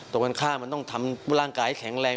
ตรงกันข้ามมันต้องทำร่างกายให้แข็งแรง